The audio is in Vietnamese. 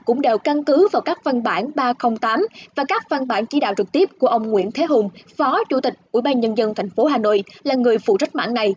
cũng đều căn cứ vào các văn bản ba trăm linh tám và các văn bản chỉ đạo trực tiếp của ông nguyễn thế hùng phó chủ tịch ủy ban nhân dân thành phố hà nội là người phụ trách mạng này